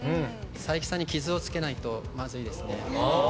才木さんに傷をつけないとまずいですね。